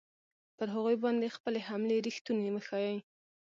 پر هغوی باندې خپلې حملې ریښتوني وښیي.